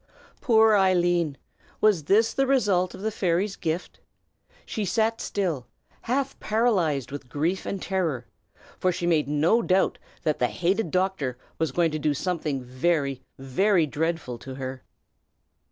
Poor Eileen! Was this the result of the fairy's gift? She sat still, half paralyzed with grief and terror, for she made no doubt that the hated doctor was going to do something very, very dreadful to her.